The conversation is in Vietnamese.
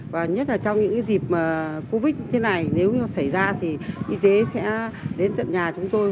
và nhất là trong những dịp covid thế này nếu như xảy ra thì y tế sẽ đến tận nhà chúng tôi